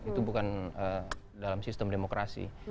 itu bukan dalam sistem demokrasi